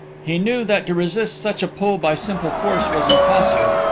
He knew that to resist such a pull by simple force was impossible....